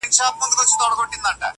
د خپل يار له وينو څوك ايږدي خالونه-